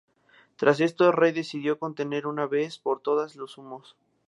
Tras esto el rey decidió contener de una vez por todas a los hunos.